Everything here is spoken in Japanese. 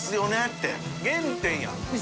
って原点や！